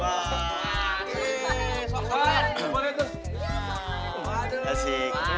neng strik punya dong cantik